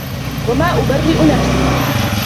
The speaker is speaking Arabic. وما أبرئ نفسي